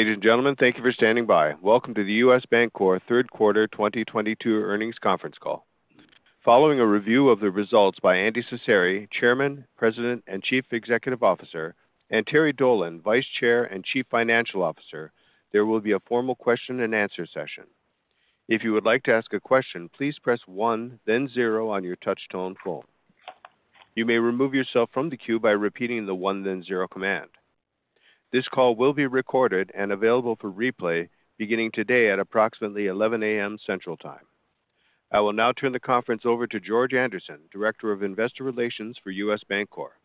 Ladies and gentlemen, thank you for standing by. Welcome to the U.S. Bancorp third quarter 2022 earnings conference call. Following a review of the results by Andy Cecere, Chairman, President, and Chief Executive Officer, and Terry Dolan, Vice Chair and Chief Financial Officer, there will be a formal question-and-answer session. If you would like to ask a question, please press one, then zero on your touch-tone phone. You may remove yourself from the queue by repeating the one, then zero command. This call will be recorded and available for replay beginning today at approximately 11:00 A.M. Central Time. I will now turn the conference over to George Andersen, Director of Investor Relations for U.S. Bancorp.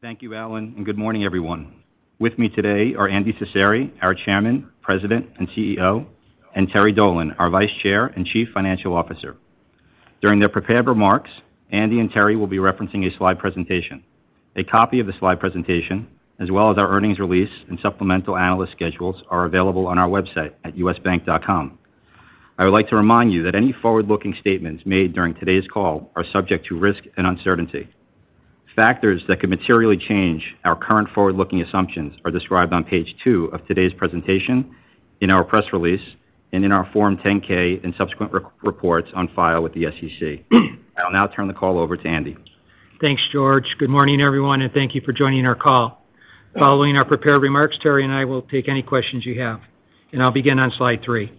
Thank you, Allan, and good morning, everyone. With me today are Andy Cecere, our Chairman, President, and CEO, and Terry Dolan, our Vice Chair and Chief Financial Officer. During their prepared remarks, Andy and Terry will be referencing a slide presentation. A copy of the slide presentation, as well as our earnings release and supplemental analyst schedules are available on our website at usbank.com. I would like to remind you that any forward-looking statements made during today's call are subject to risk and uncertainty. Factors that could materially change our current forward-looking assumptions are described on page two of today's presentation in our press release and in our Form 10-K and subsequent reports on file with the SEC. I'll now turn the call over to Andy. Thanks, George. Good morning, everyone, and thank you for joining our call. Following our prepared remarks, Terry and I will take any questions you have. I'll begin on slide three.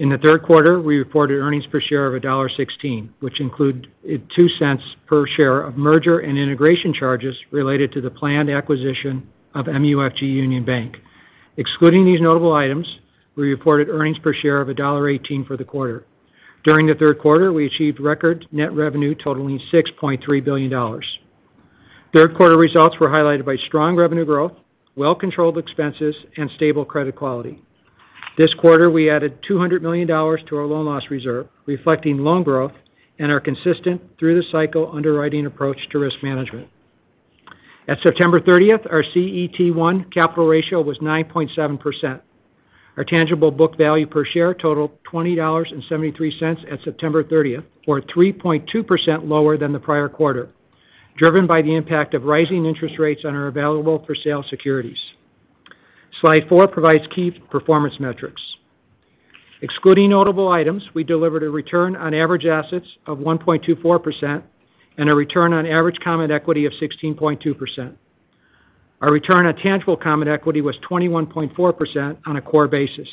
In the third quarter, we reported earnings per share of $1.16, which include $0.02 per share of merger and integration charges related to the planned acquisition of MUFG Union Bank. Excluding these notable items, we reported earnings per share of $1.18 for the quarter. During the third quarter, we achieved record net revenue totaling $6.3 billion. Third quarter results were highlighted by strong revenue growth, well-controlled expenses, and stable credit quality. This quarter, we added $200 million to our loan loss reserve, reflecting loan growth and our consistent through the cycle underwriting approach to risk management. At September 30th, our CET1 capital ratio was 9.7%. Our tangible book value per share totaled $20.73 at September 30th, or 3.2% lower than the prior quarter, driven by the impact of rising interest rates on our available for sale securities. Slide four provides key performance metrics. Excluding notable items, we delivered a return on average assets of 1.24% and a return on average common equity of 16.2%. Our return on tangible common equity was 21.4% on a core basis.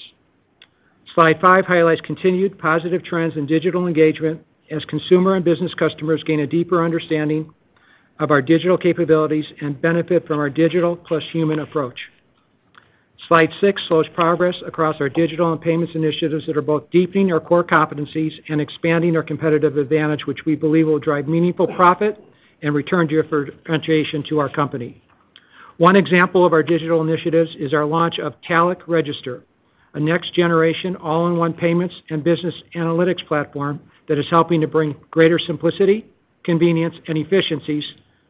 Slide five highlights continued positive trends in digital engagement as consumer and business customers gain a deeper understanding of our digital capabilities and benefit from our digital plus human approach. Slide six shows progress across our digital and payments initiatives that are both deepening our core competencies and expanding our competitive advantage, which we believe will drive meaningful profit and return differentiation to our company. One example of our digital initiatives is our launch of Talech Register, a next-generation all-in-one payments and business analytics platform that is helping to bring greater simplicity, convenience, and efficiencies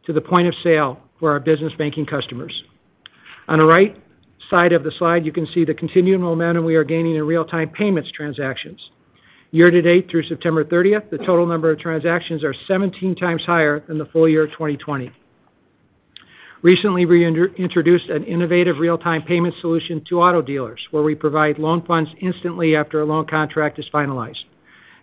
to the point of sale for our business banking customers. On the right side of the slide, you can see the continuing momentum we are gaining in real-time payments transactions. Year-to-date through September 30th, the total number of transactions are 17 times higher than the full year of 2020. Recently, we introduced an innovative real-time payment solution to auto dealers, where we provide loan funds instantly after a loan contract is finalized.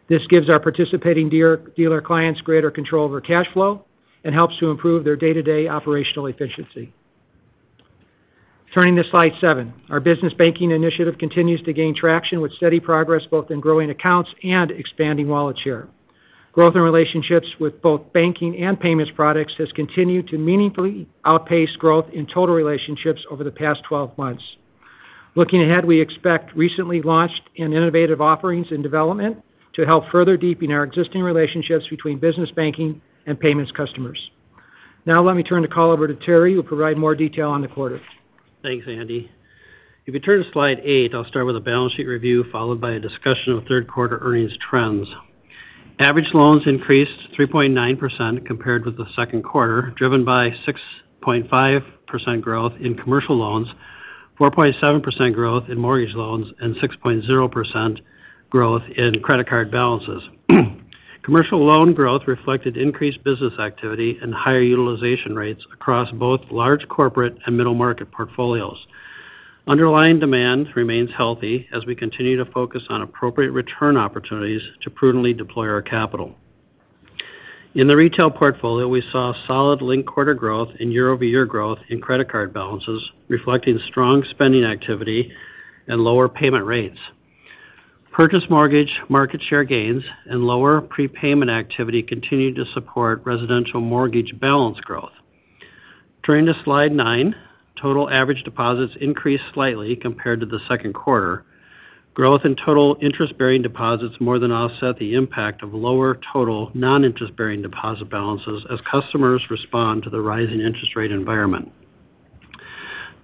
This gives our participating dealer clients greater control over cash flow and helps to improve their day-to-day operational efficiency. Turning to slide seven. Our business banking initiative continues to gain traction with steady progress, both in growing accounts and expanding wallet share. Growth in relationships with both banking and payments products has continued to meaningfully outpace growth in total relationships over the past 12 months. Looking ahead, we expect recently launched and innovative offerings in development to help further deepen our existing relationships between business banking and payments customers. Now let me turn the call over to Terry, who will provide more detail on the quarter. Thanks, Andy. If you turn to slide eight, I'll start with a balance sheet review followed by a discussion of third quarter earnings trends. Average loans increased 3.9% compared with the second quarter, driven by 6.5% growth in commercial loans, 4.7% growth in mortgage loans, and 6.0% growth in credit card balances. Commercial loan growth reflected increased business activity and higher utilization rates across both large corporate and middle market portfolios. Underlying demand remains healthy as we continue to focus on appropriate return opportunities to prudently deploy our capital. In the retail portfolio, we saw solid linked quarter growth and year-over-year growth in credit card balances, reflecting strong spending activity and lower payment rates. Purchase mortgage market share gains and lower prepayment activity continued to support residential mortgage balance growth. Turning to slide nine, total average deposits increased slightly compared to the second quarter. Growth in total interest-bearing deposits more than offset the impact of lower total non-interest-bearing deposit balances as customers respond to the rising interest rate environment.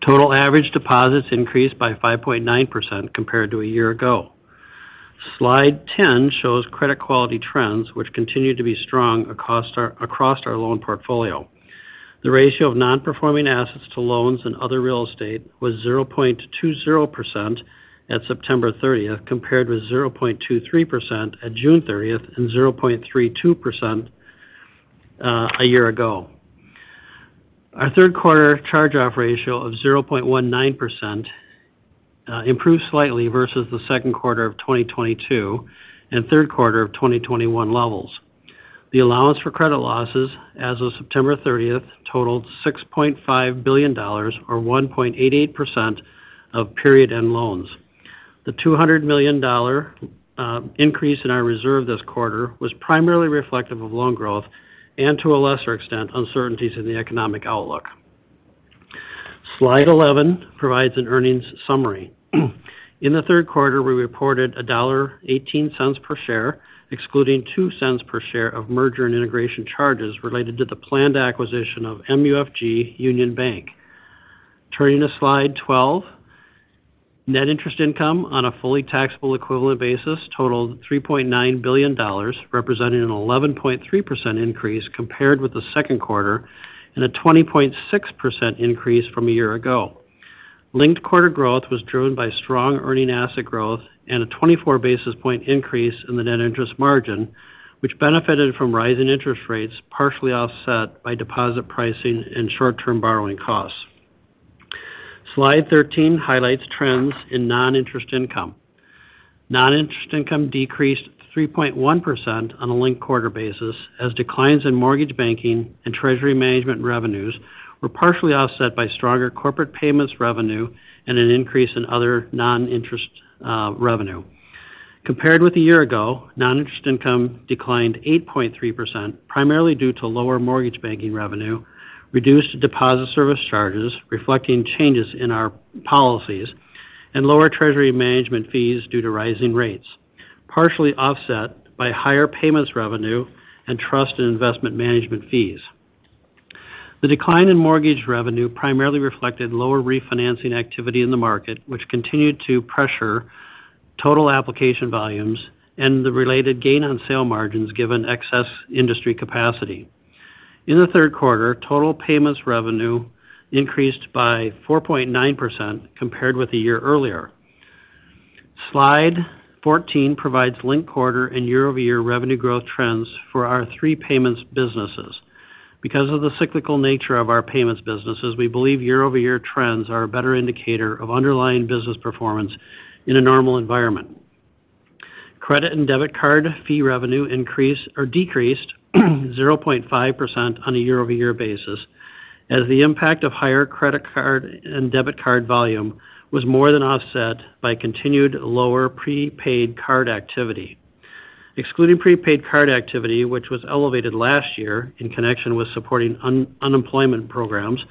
Total average deposits increased by 5.9% compared to a year ago. Slide 10 shows credit quality trends, which continue to be strong across our loan portfolio. The ratio of non-performing assets to loans and other real estate was 0.20% at September 30th, compared with 0.23% at June 30th and 0.32% a year ago. Our third quarter charge-off ratio of 0.19%, improved slightly versus the second quarter of 2022 and third quarter of 2021 levels. The allowance for credit losses as of September 30th totaled $6.5 billion or 1.88% of period-end loans. The $200 million increase in our reserve this quarter was primarily reflective of loan growth and to a lesser extent, uncertainties in the economic outlook. Slide 11 provides an earnings summary. In the third quarter, we reported $1.18 per share, excluding $0.02 per share of merger and integration charges related to the planned acquisition of MUFG Union Bank. Turning to Slide 12. Net interest income on a fully taxable equivalent basis totaled $3.9 billion, representing an 11.3% increase compared with the second quarter and a 20.6% increase from a year ago. Linked-quarter growth was driven by strong earning asset growth and a 24 basis point increase in the net interest margin, which benefited from rising interest rates, partially offset by deposit pricing and short-term borrowing costs. Slide 13 highlights trends in non-interest income. Non-interest income decreased 3.1% on a linked-quarter basis as declines in mortgage banking and treasury management revenues were partially offset by stronger corporate payments revenue and an increase in other non-interest revenue. Compared with a year ago, non-interest income declined 8.3%, primarily due to lower mortgage banking revenue, reduced deposit service charges reflecting changes in our policies, and lower treasury management fees due to rising rates, partially offset by higher payments revenue and trust and investment management fees. The decline in mortgage revenue primarily reflected lower refinancing activity in the market, which continued to pressure total application volumes and the related gain on sale margins given excess industry capacity. In the third quarter, total payments revenue increased by 4.9% compared with a year earlier. Slide 14 provides linked quarter and year-over-year revenue growth trends for our three payments businesses. Because of the cyclical nature of our payments businesses, we believe year-over-year trends are a better indicator of underlying business performance in a normal environment. Credit and debit card fee revenue decreased 0.5% on a year-over-year basis as the impact of higher credit card and debit card volume was more than offset by continued lower prepaid card activity. Excluding prepaid card activity, which was elevated last year in connection with supporting unemployment programs,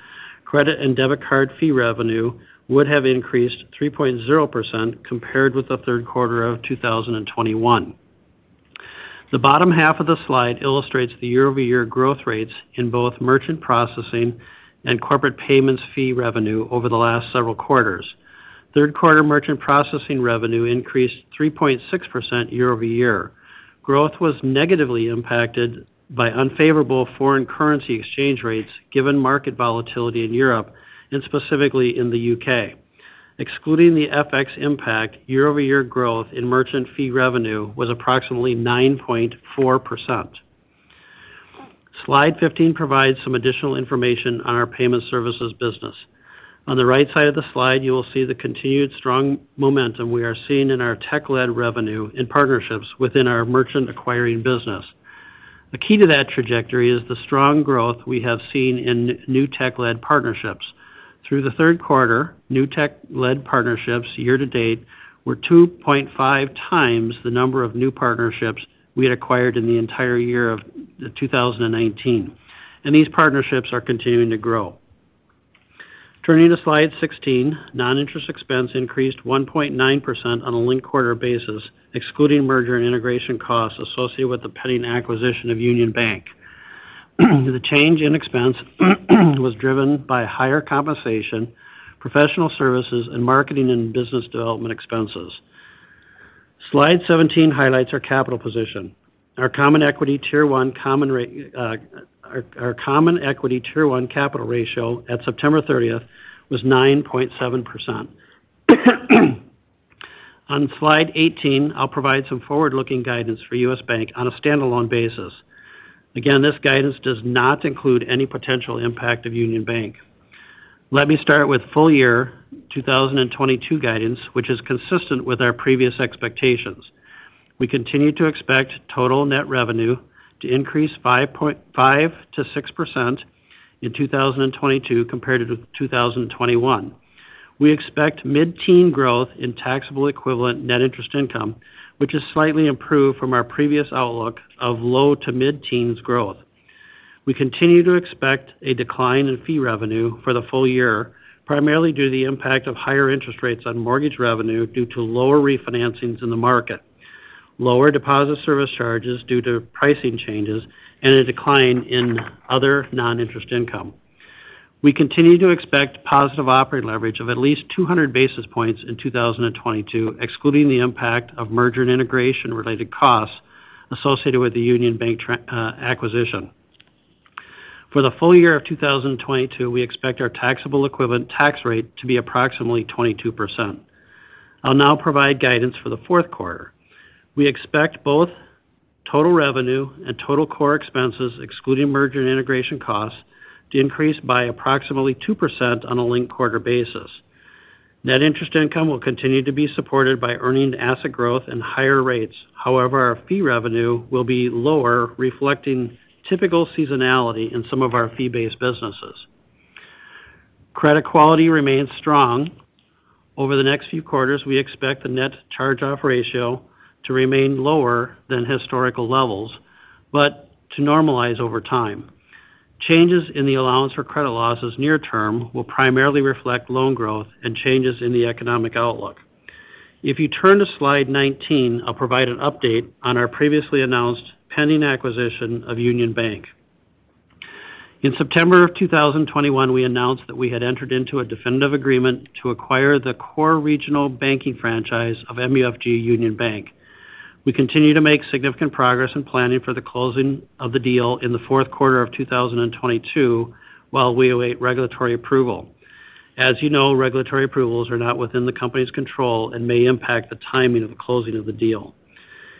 credit and debit card fee revenue would have increased 3.0% compared with the third quarter of 2021. The bottom half of the slide illustrates the year-over-year growth rates in both merchant processing and corporate payments fee revenue over the last several quarters. Third quarter merchant processing revenue increased 3.6% year-over-year. Growth was negatively impacted by unfavorable foreign currency exchange rates given market volatility in Europe and specifically in the U.K. Excluding the FX impact, year-over-year growth in merchant fee revenue was approximately 9.4%. Slide 15 provides some additional information on our payment services business. On the right side of the slide, you will see the continued strong momentum we are seeing in our tech-led revenue and partnerships within our merchant acquiring business. The key to that trajectory is the strong growth we have seen in new tech-led partnerships. Through the third quarter, new tech-led partnerships year-to-date were 2.5 times the number of new partnerships we had acquired in the entire year of 2019, and these partnerships are continuing to grow. Turning to slide 16. Noninterest expense increased 1.9% on a linked quarter basis, excluding merger and integration costs associated with the pending acquisition of Union Bank. The change in expense was driven by higher compensation, professional services, and marketing and business development expenses. Slide 17 highlights our capital position. Our common equity Tier 1 capital ratio at September 30th was 9.7%. On slide 18, I'll provide some forward-looking guidance for U.S. Bank on a standalone basis. This guidance does not include any potential impact of Union Bank. Let me start with full year 2022 guidance, which is consistent with our previous expectations. We continue to expect total net revenue to increase 5.5%-6% in 2022 compared to 2021. We expect mid-teen growth in taxable equivalent net interest income, which is slightly improved from our previous outlook of low to mid-teens growth. We continue to expect a decline in fee revenue for the full year, primarily due to the impact of higher interest rates on mortgage revenue due to lower refinancings in the market, lower deposit service charges due to pricing changes, and a decline in other non-interest income. We continue to expect positive operating leverage of at least 200 basis points in 2022, excluding the impact of merger and integration-related costs associated with the Union Bank acquisition. For the full year of 2022, we expect our taxable equivalent tax rate to be approximately 22%. I'll now provide guidance for the fourth quarter. We expect both total revenue and total core expenses, excluding merger and integration costs, to increase by approximately 2% on a linked quarter basis. Net interest income will continue to be supported by earning asset growth and higher rates. However, our fee revenue will be lower, reflecting typical seasonality in some of our fee-based businesses. Credit quality remains strong. Over the next few quarters, we expect the net charge-off ratio to remain lower than historical levels, but to normalize over time. Changes in the allowance for credit losses near term will primarily reflect loan growth and changes in the economic outlook. If you turn to slide 19, I'll provide an update on our previously announced pending acquisition of Union Bank. In September 2021, we announced that we had entered into a definitive agreement to acquire the core regional banking franchise of MUFG Union Bank. We continue to make significant progress in planning for the closing of the deal in the fourth quarter of 2022 while we await regulatory approval. As you know, regulatory approvals are not within the company's control and may impact the timing of the closing of the deal.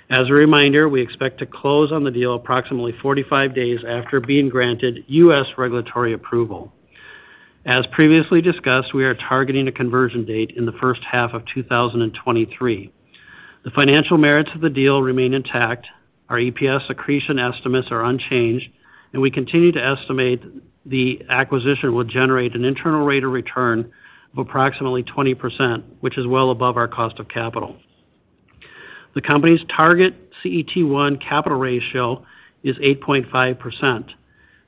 As a reminder, we expect to close on the deal approximately 45 days after being granted U.S. regulatory approval. As previously discussed, we are targeting a conversion date in the first half of 2023. The financial merits of the deal remain intact. Our EPS accretion estimates are unchanged, and we continue to estimate the acquisition will generate an internal rate of return of approximately 20%, which is well above our cost of capital. The company's target CET1 capital ratio is 8.5%.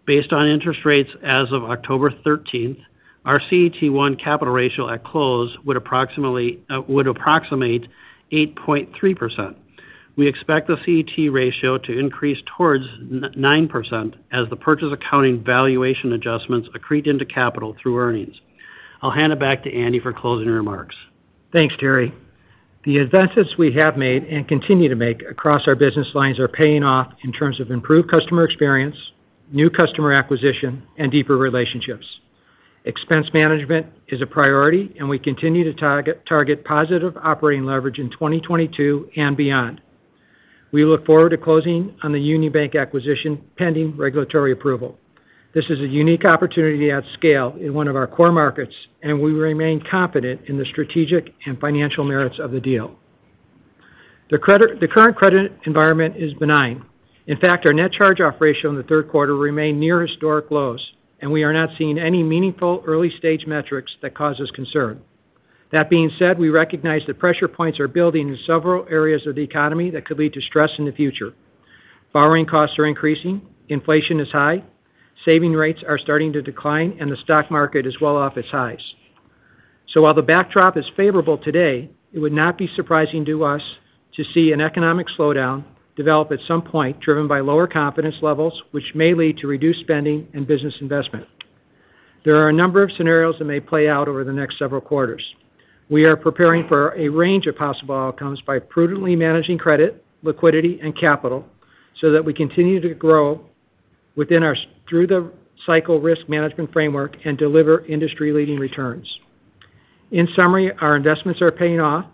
Based on interest rates as of October 13th, our CET1 capital ratio at close would approximate 8.3%. We expect the CET ratio to increase towards 9% as the purchase accounting valuation adjustments accrete into capital through earnings. I'll hand it back to Andy for closing remarks. Thanks, Terry. The investments we have made and continue to make across our business lines are paying off in terms of improved customer experience, new customer acquisition, and deeper relationships. Expense management is a priority, and we continue to target positive operating leverage in 2022 and beyond. We look forward to closing on the Union Bank acquisition, pending regulatory approval. This is a unique opportunity at scale in one of our core markets, and we remain confident in the strategic and financial merits of the deal. The current credit environment is benign. In fact, our net charge-off ratio in the third quarter remained near historic lows, and we are not seeing any meaningful early-stage metrics that cause us concern. That being said, we recognize that pressure points are building in several areas of the economy that could lead to stress in the future. Borrowing costs are increasing, inflation is high, saving rates are starting to decline, and the stock market is well off its highs. While the backdrop is favorable today, it would not be surprising to us to see an economic slowdown develop at some point driven by lower confidence levels, which may lead to reduced spending and business investment. There are a number of scenarios that may play out over the next several quarters. We are preparing for a range of possible outcomes by prudently managing credit, liquidity and capital so that we continue to grow within our through the cycle risk management framework and deliver industry-leading returns. In summary, our investments are paying off.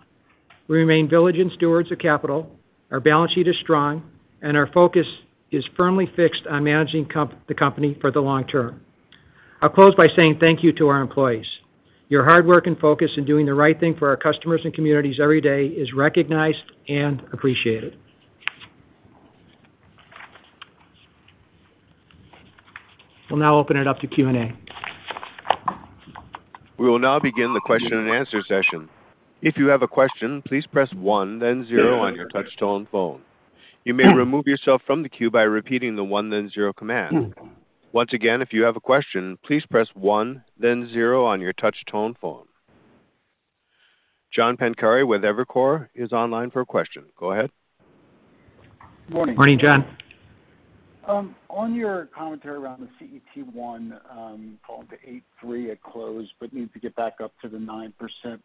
We remain diligent stewards of capital. Our balance sheet is strong and our focus is firmly fixed on managing the company for the long term. I'll close by saying thank you to our employees. Your hard work and focus in doing the right thing for our customers and communities every day is recognized and appreciated. We'll now open it up to Q&A. We will now begin the question-and-answer session. If you have a question, please press one, then zero on your touch-tone phone. You may remove yourself from the queue by repeating the one then zero command. Once again, if you have a question, please press one, then zero on your touch-tone phone. John Pancari with Evercore is online for a question. Go ahead. Morning, John. On your commentary around the CET1 falling to 8.3% at close but needs to get back up to the 9%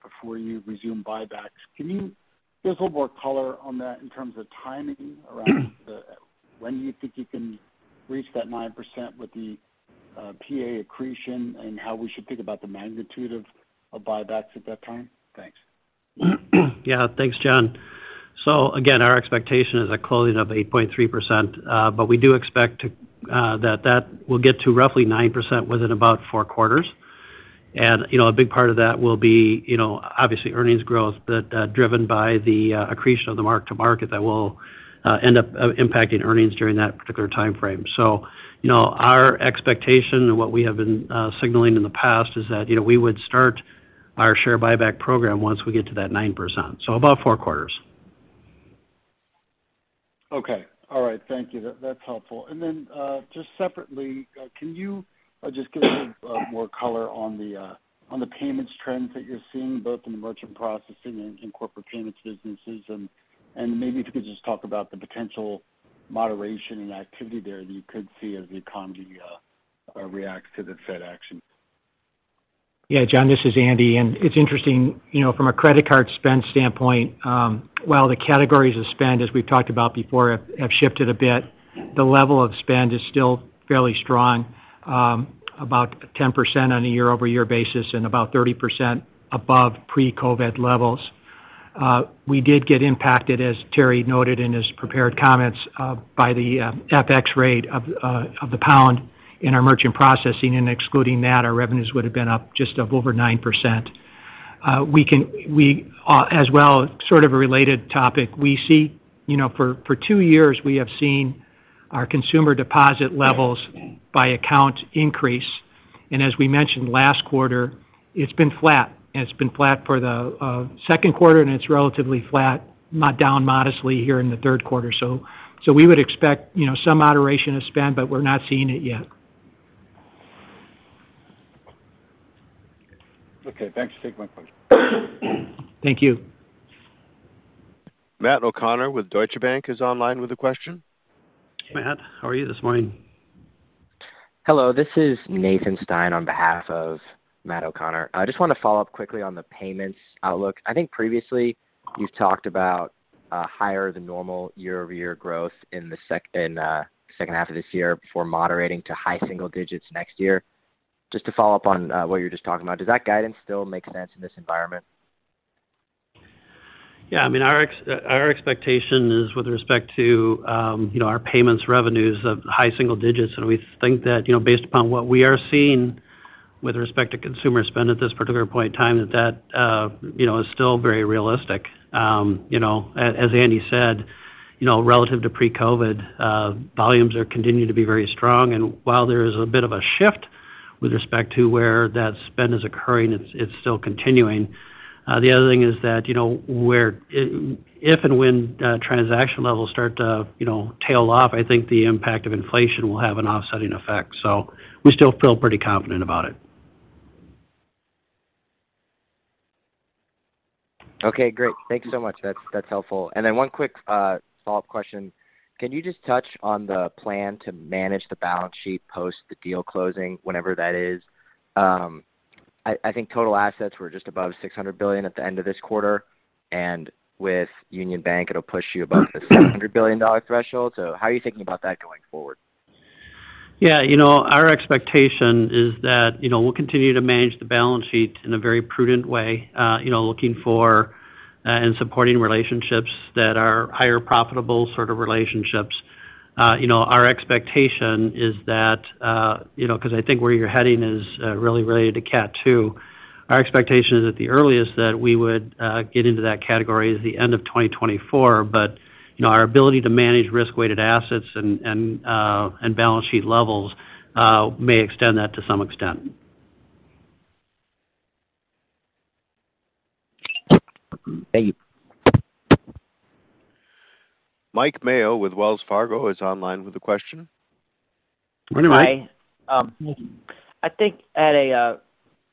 before you resume buybacks. Can you give us a little more color on that in terms of timing around when you think you can reach that 9% with the PA accretion and how we should think about the magnitude of buybacks at that time? Thanks. Yeah. Thanks, John. Again, our expectation is a closing of 8.3%, but we do expect that that will get to roughly 9% within about four quarters. You know, a big part of that will be, you know, obviously earnings growth, but driven by the accretion of the mark-to-market that will end up impacting earnings during that particular time frame. You know, our expectation and what we have been signaling in the past is that, you know, we would start our share buyback program once we get to that 9%. So about four quarters. Okay. All right. Thank you. That's helpful. Just separately, can you just give a little more color on the payments trends that you're seeing, both in the merchant processing and in corporate payments businesses? Maybe if you could just talk about the potential moderation in activity there that you could see as the economy reacts to the Fed actions? Yeah, John, this is Andy, and it's interesting, you know, from a credit card spend standpoint, while the categories of spend, as we've talked about before, have shifted a bit, the level of spend is still fairly strong, about 10% on a year-over-year basis and about 30% above pre-COVID levels. We did get impacted, as Terry noted in his prepared comments, by the FX rate of the pound in our merchant processing, and excluding that, our revenues would have been up just over 9%. We, as well, sort of a related topic, we see, you know, for two years, we have seen our consumer deposit levels by account increase. As we mentioned last quarter, it's been flat for the second quarter, and it's relatively flat, down modestly here in the third quarter. We would expect, you know, some moderation of spend, but we're not seeing it yet. Okay. Thanks. Take my question. Thank you. Matt O'Connor with Deutsche Bank is online with a question. Matt, how are you this morning? Hello, this is Nathan Stein on behalf of Matt O'Connor. I just want to follow up quickly on the payments outlook. I think previously you've talked about higher than normal year-over-year growth in the second half of this year before moderating to high single digits next year. Just to follow up on what you were just talking about, does that guidance still make sense in this environment? Yeah. I mean, our expectation is with respect to, you know, our payments revenues of high single digits. We think that, you know, based upon what we are seeing with respect to consumer spend at this particular point in time, that is still very realistic. You know, as Andy said, you know, relative to pre-COVID, volumes are continuing to be very strong. While there is a bit of a shift with respect to where that spend is occurring, it's still continuing. The other thing is that, you know, where, if and when transaction levels start to, you know, tail off, I think the impact of inflation will have an offsetting effect. We still feel pretty confident about it. Okay, great. Thanks so much. That's helpful. One quick follow-up question. Can you just touch on the plan to manage the balance sheet post the deal closing, whenever that is? I think total assets were just above $600 billion at the end of this quarter, and with Union Bank, it'll push you above the $700 billion threshold. How are you thinking about that going forward? Yeah. You know, our expectation is that, you know, we'll continue to manage the balance sheet in a very prudent way, you know, looking for, and supporting relationships that are higher profitable sort of relationships. You know, our expectation is that, you know, 'cause I think where you're heading is, really related to Cat II. Our expectation is at the earliest that we would get into that category is the end of 2024. But, you know, our ability to manage risk-weighted assets and balance sheet levels may extend that to some extent. Thank you. Mike Mayo with Wells Fargo is online with a question. Morning, Mike. Hi. I think at a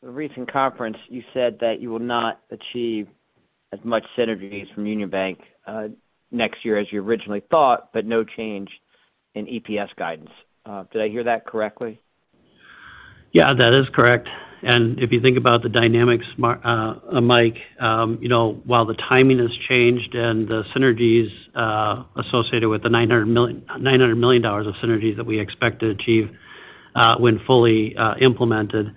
recent conference, you said that you will not achieve as much synergies from Union Bank next year as you originally thought, but no change in EPS guidance. Did I hear that correctly? Yeah, that is correct. If you think about the dynamics, Mike, you know, while the timing has changed and the synergies associated with the $900 million of synergies that we expect to achieve when fully implemented,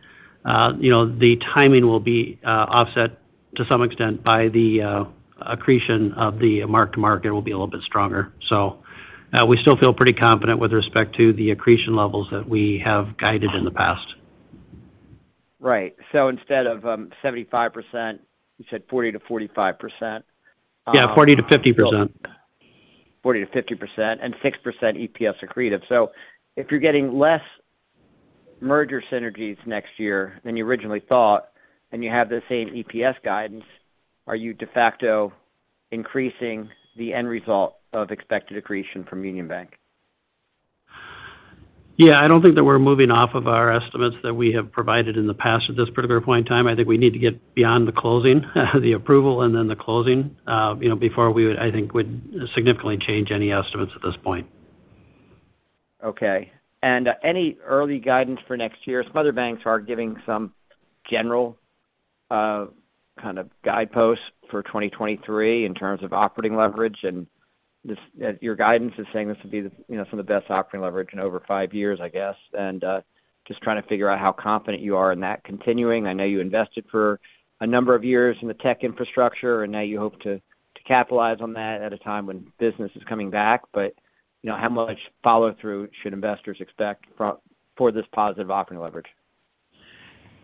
you know, the timing will be offset to some extent by the accretion of the mark-to-market will be a little bit stronger. We still feel pretty confident with respect to the accretion levels that we have guided in the past. Right. Instead of 75%, you said 40%-45%. Yeah, 40%-50%. 40%-50% and 6% EPS accretive. If you're getting less merger synergies next year than you originally thought, and you have the same EPS guidance, are you de facto increasing the end result of expected accretion from Union Bank? Yeah. I don't think that we're moving off of our estimates that we have provided in the past at this particular point in time. I think we need to get beyond the approval and then the closing, you know, before we would, I think, significantly change any estimates at this point. Okay. Any early guidance for next year? Some other banks are giving some general, kind of guideposts for 2023 in terms of operating leverage. This, your guidance is saying this would be the, you know, some of the best operating leverage in over five years, I guess. Just trying to figure out how confident you are in that continuing. I know you invested for a number of years in the tech infrastructure, and now you hope to capitalize on that at a time when business is coming back. You know, how much follow-through should investors expect for this positive operating leverage?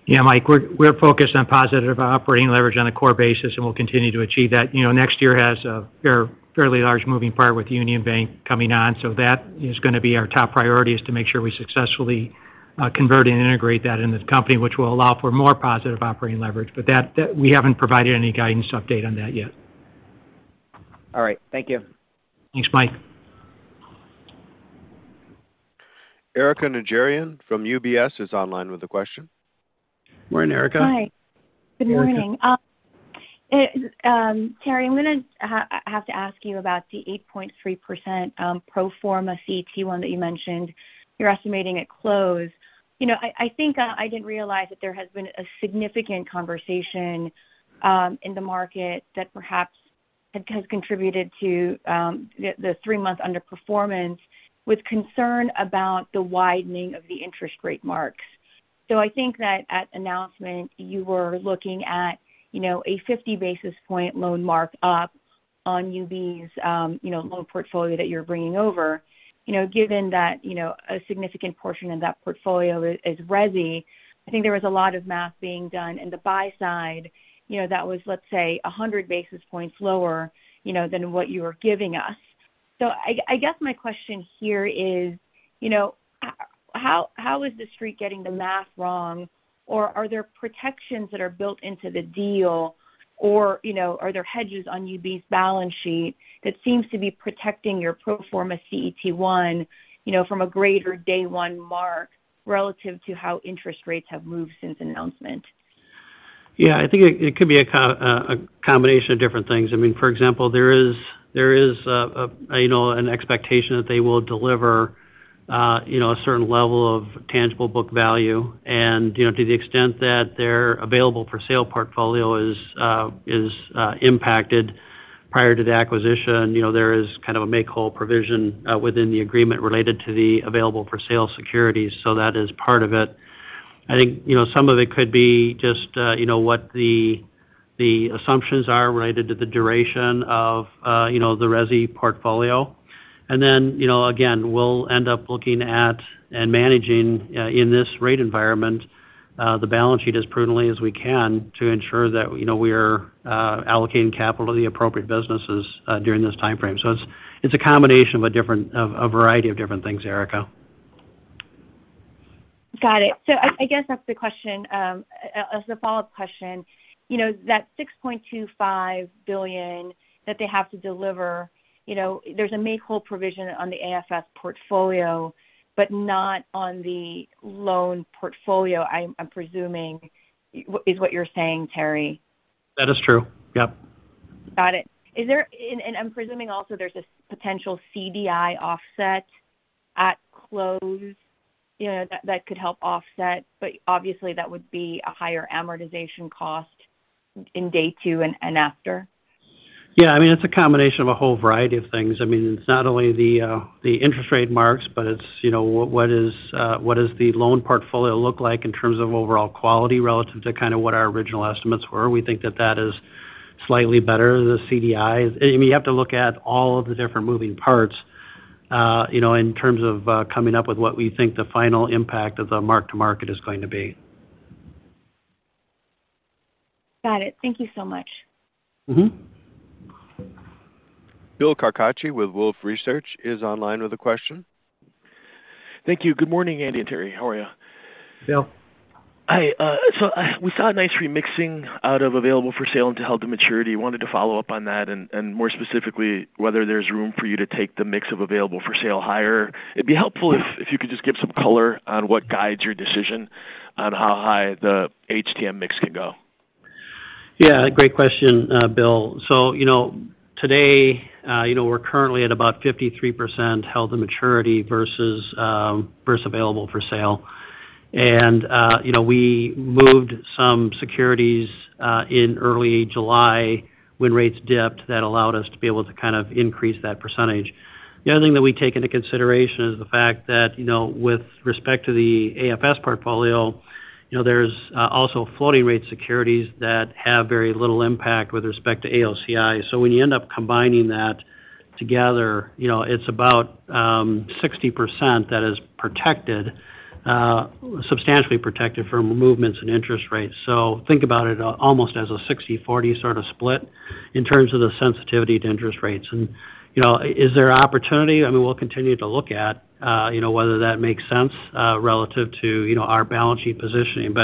Yeah, Mike, we're focused on positive operating leverage on a core basis, and we'll continue to achieve that. You know, next year has a fairly large moving part with Union Bank coming on. That is gonna be our top priority, is to make sure we successfully convert and integrate that into the company, which will allow for more positive operating leverage. That we haven't provided any guidance update on that yet. All right. Thank you. Thanks, Mike. Erika Najarian from UBS is online with a question. Morning, Erika. Hi. Good morning. Terry, I'm gonna have to ask you about the 8.3% pro forma CET1 that you mentioned you're estimating at close. You know, I think I didn't realize that there has been a significant conversation in the market that perhaps has contributed to the three-month underperformance with concern about the widening of the interest rate marks. I think that at announcement you were looking at, you know, a 50 basis point loan mark up on UB's loan portfolio that you're bringing over. You know, given that, you know, a significant portion of that portfolio is Resi, I think there was a lot of math being done in the buy side, you know, that was, let's say, 100 basis points lower, you know, than what you were giving us. I guess my question here is, you know, how is the Street getting the math wrong? Or are there protections that are built into the deal or, you know, are there hedges on USB's balance sheet that seems to be protecting your pro forma CET1, you know, from a greater day one mark relative to how interest rates have moved since announcement? Yeah, I think it could be a combination of different things. I mean, for example, there is, you know, an expectation that they will deliver, you know, a certain level of tangible book value. You know, to the extent that their available for sale portfolio is impacted prior to the acquisition, you know, there is kind of a make whole provision within the agreement related to the available for sale securities. That is part of it. I think, you know, some of it could be just, you know, what the assumptions are related to the duration of, you know, the Resi portfolio. You know, again, we'll end up looking at and managing in this rate environment the balance sheet as prudently as we can to ensure that, you know, we're allocating capital to the appropriate businesses during this timeframe. It's a combination of a variety of different things, Erika. Got it. I guess that's the question. As a follow-up question, you know, that $6.25 billion that they have to deliver, you know, there's a make-whole provision on the AFS portfolio but not on the loan portfolio, I'm presuming is what you're saying, Terry. That is true. Yep. Got it. I'm presuming also there's a potential CDI offset at close, you know, that could help offset, but obviously, that would be a higher amortization cost in day two and after. Yeah, I mean, it's a combination of a whole variety of things. I mean, it's not only the interest rate marks, but it's, you know, what does the loan portfolio look like in terms of overall quality relative to kind of what our original estimates were. We think that is slightly better. The CDI is. I mean, you have to look at all of the different moving parts, you know, in terms of coming up with what we think the final impact of the mark to market is going to be. Got it. Thank you so much. Mm-hmm. Bill Carcache with Wolfe Research is online with a question. Thank you. Good morning, Andy and Terry. How are you? Bill. Hi. We saw a nice remixing out of available for sale into held to maturity. Wanted to follow up on that and more specifically, whether there's room for you to take the mix of available for sale higher. It'd be helpful if you could just give some color on what guides your decision on how high the HTM mix can go. Yeah, great question, Bill. You know, today, you know, we're currently at about 53% held to maturity versus available for sale. You know, we moved some securities in early July when rates dipped that allowed us to be able to kind of increase that percentage. The other thing that we take into consideration is the fact that, you know, with respect to the AFS portfolio, you know, there's also floating rate securities that have very little impact with respect to AOCI. When you end up combining that together, you know, it's about 60% that is protected, substantially protected from movements in interest rates. Think about it, almost as a 60/40 sort of split in terms of the sensitivity to interest rates. You know, is there opportunity? I mean, we'll continue to look at, you know, whether that makes sense, relative to, you know, our balance sheet positioning.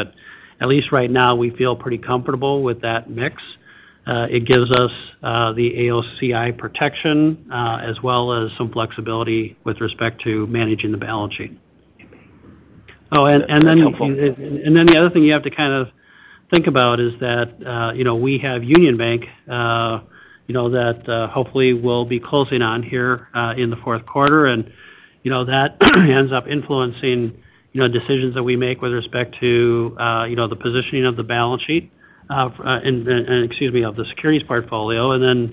At least right now, we feel pretty comfortable with that mix. It gives us the AOCI protection, as well as some flexibility with respect to managing the balance sheet. That's helpful. The other thing you have to kind of think about is that, you know, we have Union Bank, you know, that hopefully will be closing on here in the fourth quarter. You know, that ends up influencing, you know, decisions that we make with respect to, you know, the positioning of the balance sheet and of the securities portfolio. You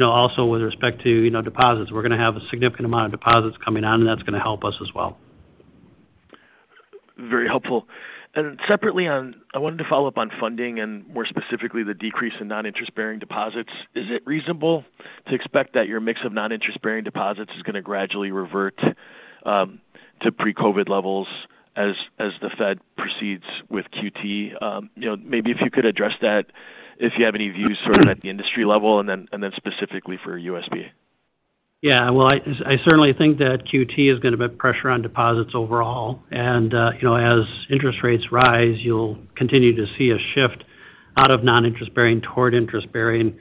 know, also with respect to, you know, deposits. We're gonna have a significant amount of deposits coming on, and that's gonna help us as well. Very helpful. I wanted to follow up on funding and more specifically the decrease in non-interest-bearing deposits. Is it reasonable to expect that your mix of non-interest-bearing deposits is gonna gradually revert to pre-COVID levels as the Fed proceeds with QT? You know, maybe if you could address that, if you have any views sort of at the industry level and then specifically for USB. Yeah. Well, I certainly think that QT is gonna put pressure on deposits overall. You know, as interest rates rise, you'll continue to see a shift out of non-interest-bearing toward interest-bearing.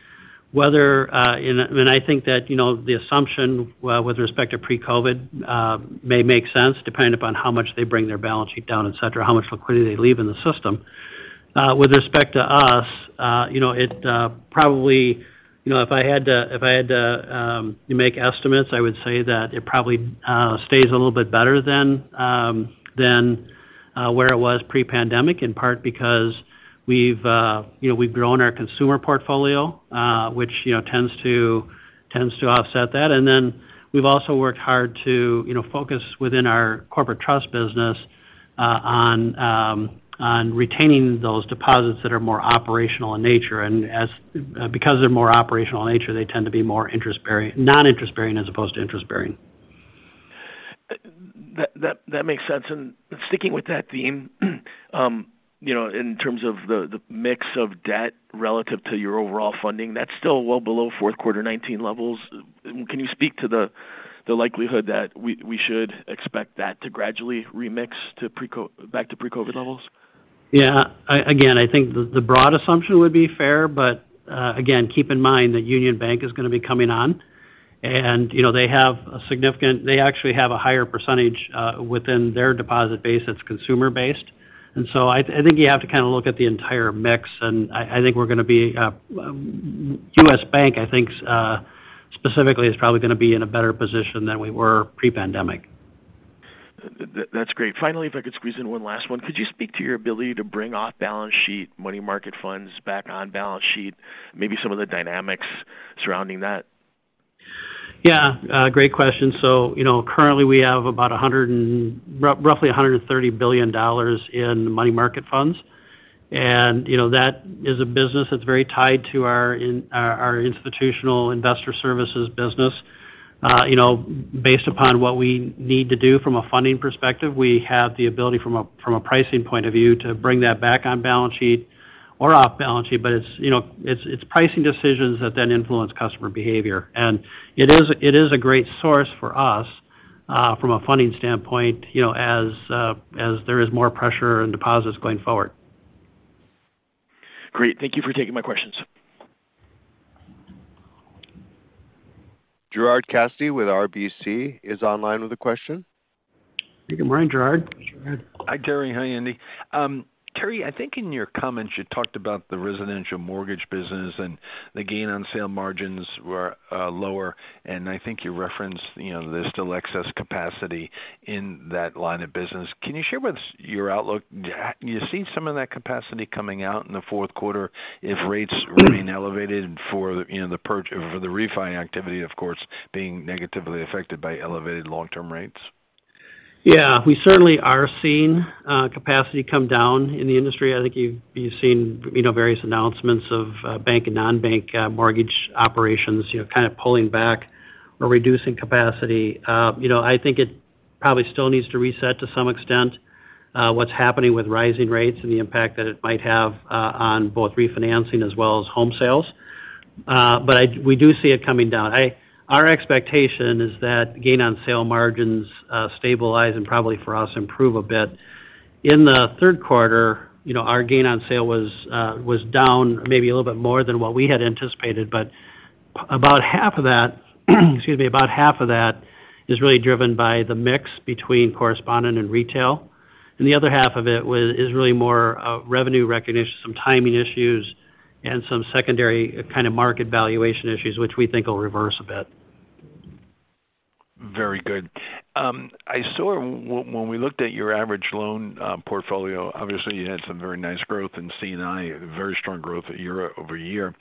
I think that, you know, the assumption with respect to pre-COVID may make sense depending upon how much they bring their balance sheet down, et cetera, how much liquidity they leave in the system. With respect to us, you know, it probably, you know, if I had to make estimates, I would say that it probably stays a little bit better than where it was pre-pandemic, in part because we've, you know, we've grown our consumer portfolio, which, you know, tends to offset that. We've also worked hard to, you know, focus within our corporate trust business on retaining those deposits that are more operational in nature. Because they're more operational in nature, they tend to be more non-interest-bearing as opposed to interest-bearing. That makes sense. Sticking with that theme, you know, in terms of the mix of debt relative to your overall funding, that's still well below fourth quarter 2019 levels. Can you speak to the likelihood that we should expect that to gradually remix to pre-COVID levels? Again, I think the broad assumption would be fair, but again, keep in mind that Union Bank is going to be coming on and, you know, they actually have a higher percentage within their deposit base that's consumer based. I think you have to kind of look at the entire mix. I think U.S. Bank specifically is probably going to be in a better position than we were pre-pandemic. That's great. Finally, if I could squeeze in one last one. Could you speak to your ability to bring off balance sheet money market funds back on balance sheet? Maybe some of the dynamics surrounding that. Yeah. Great question. You know, currently we have about $130 billion in money market funds. You know, that is a business that's very tied to our institutional investor services business. You know, based upon what we need to do from a funding perspective, we have the ability from a pricing point of view to bring that back on balance sheet or off balance sheet. But it's, you know, it's pricing decisions that then influence customer behavior. It is a great source for us from a funding standpoint, you know, as there is more pressure on deposits going forward. Great. Thank you for taking my questions. Gerard Cassidy with RBC is online with a question. Thank you. Morning, Gerard. Go ahead. Hi, Terry. Hi, Andy. Terry, I think in your comments you talked about the residential mortgage business and the gain on sale margins were lower, and I think you referenced, you know, there's still excess capacity in that line of business. Can you share with us your outlook? Do you see some of that capacity coming out in the fourth quarter if rates remain elevated for, you know, the refi activity, of course, being negatively affected by elevated long-term rates? Yeah. We certainly are seeing capacity come down in the industry. I think you've seen, you know, various announcements of bank and non-bank mortgage operations, you know, kind of pulling back or reducing capacity. I think it probably still needs to reset to some extent, what's happening with rising rates and the impact that it might have on both refinancing as well as home sales. We do see it coming down. Our expectation is that gain on sale margins stabilize and probably for us improve a bit. In the third quarter, you know, our gain on sale was down maybe a little bit more than what we had anticipated, but about half of that, excuse me, about half of that is really driven by the mix between correspondent and retail. The other half of it is really more revenue recognition, some timing issues and some secondary kind of market valuation issues, which we think will reverse a bit. Very good. I saw when we looked at your average loan portfolio, obviously you had some very nice growth in C&I, very strong growth year-over-year.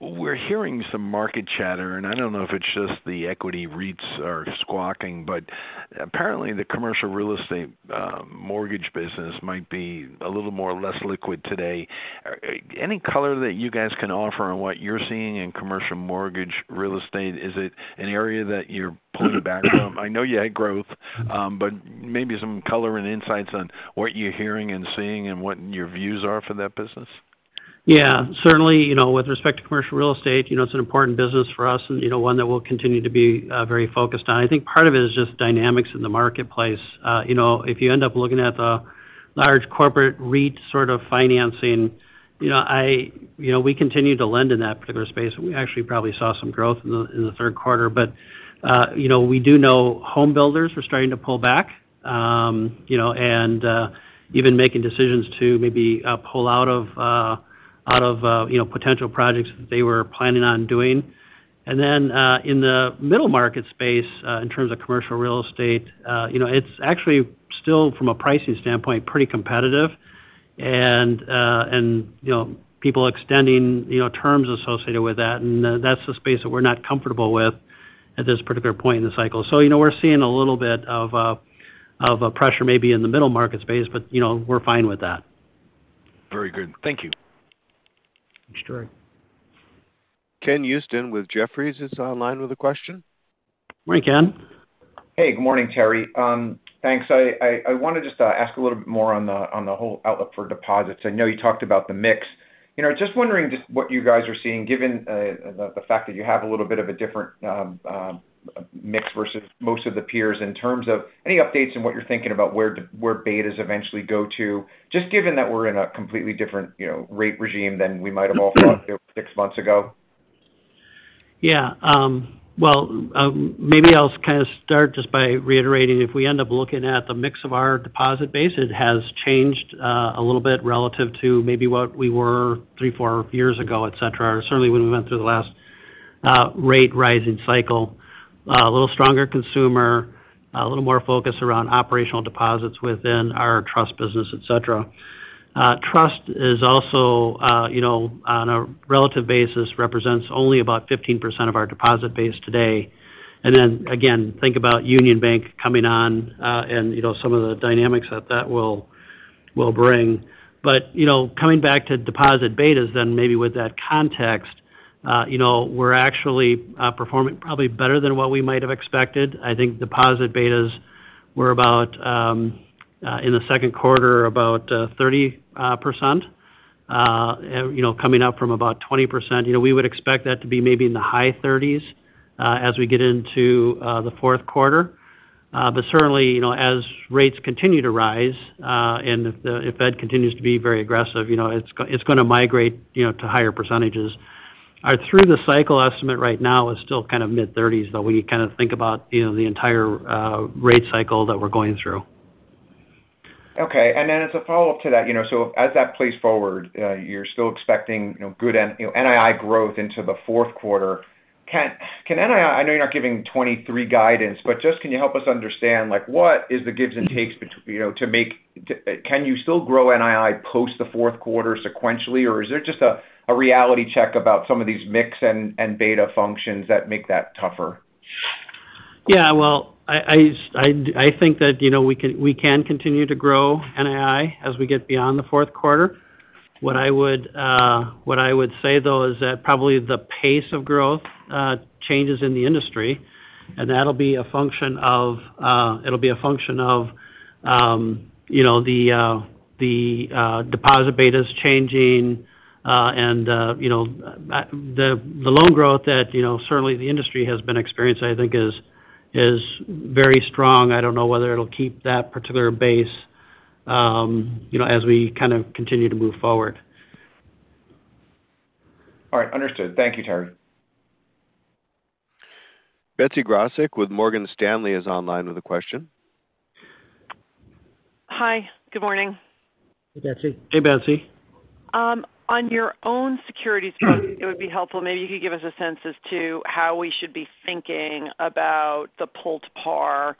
We're hearing some market chatter, and I don't know if it's just the equity REITs are squawking, but apparently the commercial real estate mortgage business might be a little more less liquid today. Any color that you guys can offer on what you're seeing in commercial mortgage real estate, is it an area that you're pulling back from? I know you had growth, but maybe some color and insights on what you're hearing and seeing and what your views are for that business. Yeah. Certainly, you know, with respect to commercial real estate, you know, it's an important business for us and, you know, one that we'll continue to be very focused on. I think part of it is just dynamics in the marketplace. You know, if you end up looking at the large corporate REIT sort of financing, you know, we continue to lend in that particular space, and we actually probably saw some growth in the third quarter. You know, we do know home builders are starting to pull back, you know, and even making decisions to maybe pull out of potential projects that they were planning on doing. In the middle market space, in terms of commercial real estate, you know, it's actually still, from a pricing standpoint, pretty competitive and, you know, people extending, you know, terms associated with that. That's the space that we're not comfortable with at this particular point in the cycle. You know, we're seeing a little bit of a pressure maybe in the middle market space, but, you know, we're fine with that. Very good. Thank you. Thanks, Gerard. Ken Usdin with Jefferies is online with a question. Morning, Ken. Hey, good morning, Terry. Thanks. I want to just ask a little bit more on the whole outlook for deposits. I know you talked about the mix. You know, just wondering just what you guys are seeing given the fact that you have a little bit of a different mix versus most of the peers in terms of any updates and what you're thinking about where betas eventually go to, just given that we're in a completely different, you know, rate regime than we might have all thought six months ago. Yeah. Well, maybe I'll kind of start just by reiterating. If we end up looking at the mix of our deposit base, it has changed a little bit relative to maybe what we were three, four years ago, et cetera, or certainly when we went through the last rate-rising cycle. A little stronger consumer, a little more focus around operational deposits within our trust business, et cetera. Trust is also, you know, on a relative basis, represents only about 15% of our deposit base today. Then again, think about Union Bank coming on, and, you know, some of the dynamics that that will bring. You know, coming back to deposit betas then maybe with that context, you know, we're actually performing probably better than what we might have expected. I think deposit betas were about in the second quarter, about 30%, you know, coming up from about 20%. You know, we would expect that to be maybe in the high 30s as we get into the fourth quarter. But certainly, you know, as rates continue to rise and if the Fed continues to be very aggressive, you know, it's gonna migrate, you know, to higher percentages. Our through the cycle estimate right now is still kind of mid-30s, though, when you kind of think about, you know, the entire rate cycle that we're going through. Okay. As a follow-up to that, you know, as that plays forward, you're still expecting, you know, good NII growth into the fourth quarter. Can NII... I know you're not giving 2023 guidance, but just, can you help us understand, like, what is the gives and takes between—you know, to make, to— Can you still grow NII post the fourth quarter sequentially, or is there just a reality check about some of these mix and beta functions that make that tougher? Yeah. Well, I think that, you know, we can continue to grow NII as we get beyond the fourth quarter. What I would say, though, is that probably the pace of growth changes in the industry, and that'll be a function of, you know, the deposit betas changing, and you know, the loan growth that, you know, certainly the industry has been experiencing, I think, is very strong. I don't know whether it'll keep that particular base, you know, as we kind of continue to move forward. All right. Understood. Thank you, Terry. Betsy Graseck with Morgan Stanley is online with a question. Hi. Good morning. Hey, Betsy. Hey, Betsy. On your own securities front, it would be helpful, maybe you could give us a sense as to how we should be thinking about the pull to par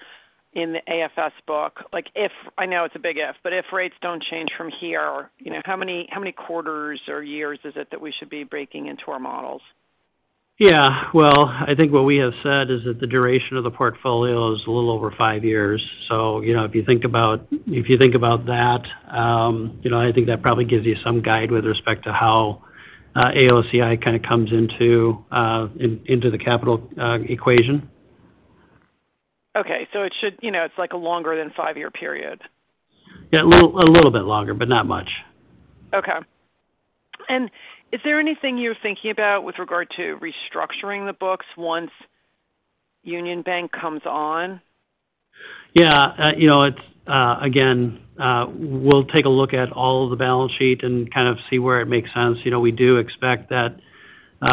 in the AFS book. Like, if, I know it's a big if, but if rates don't change from here, you know, how many quarters or years is it that we should be breaking into our models? Yeah. Well, I think what we have said is that the duration of the portfolio is a little over five years. You know, if you think about that, you know, I think that probably gives you some guide with respect to how AOCI kind of comes into the capital equation. Okay. It should, you know, it's like a longer than five-year period. Yeah. A little bit longer, but not much. Okay. Is there anything you're thinking about with regard to restructuring the books once Union Bank comes on? Yeah. You know, it's again, we'll take a look at all of the balance sheet and kind of see where it makes sense. You know, we do expect that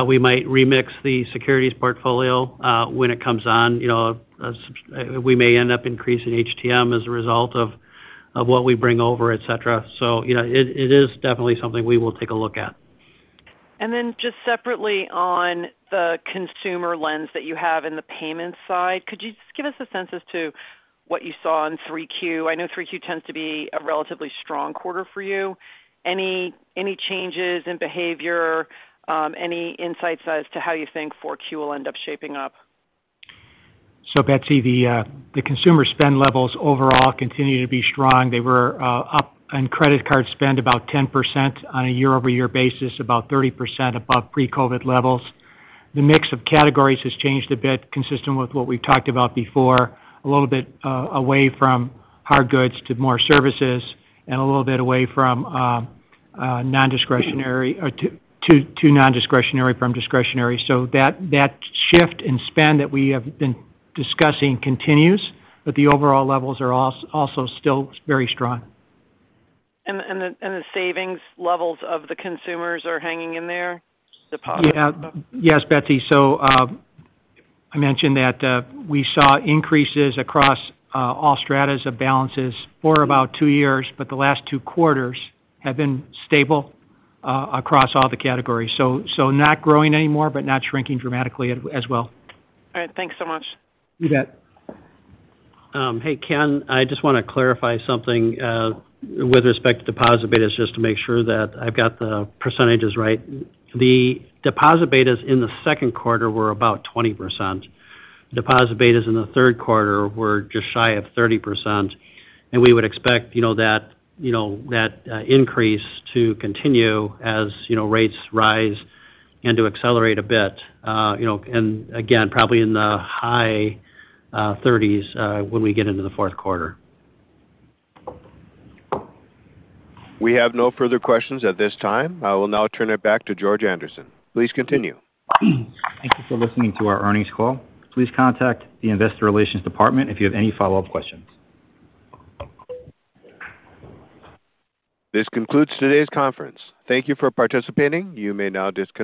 we might remix the securities portfolio when it comes on. You know, we may end up increasing HTM as a result of what we bring over, et cetera. You know, it is definitely something we will take a look at. Just separately on the consumer lens that you have in the payments side, could you just give us a sense as to what you saw in 3Q? I know 3Q tends to be a relatively strong quarter for you. Any changes in behavior? Any insights as to how you think 4Q will end up shaping up? Betsy, the consumer spend levels overall continue to be strong. They were up in credit card spend about 10% on a year-over-year basis, about 30% above pre-COVID levels. The mix of categories has changed a bit, consistent with what we've talked about before, a little bit away from hard goods to more services and a little bit away from discretionary to nondiscretionary. That shift in spend that we have been discussing continues, but the overall levels are also still very strong. The savings levels of the consumers are hanging in there? Deposit levels. Yes, Betsy. I mentioned that we saw increases across all strata of balances for about two years, but the last two quarters have been stable across all the categories. Not growing anymore, but not shrinking dramatically as well. All right. Thanks so much. You bet. Hey, Ken, I just wanna clarify something with respect to deposit betas, just to make sure that I've got the percentages right. The deposit betas in the second quarter were about 20%. Deposit betas in the third quarter were just shy of 30%. We would expect, you know, that increase to continue as, you know, rates rise and to accelerate a bit. You know, and again, probably in the high 30s when we get into the fourth quarter. We have no further questions at this time. I will now turn it back to George Andersen. Please continue. Thank you for listening to our earnings call. Please contact the investor relations department if you have any follow-up questions. This concludes today's conference. Thank you for participating. You may now disconnect.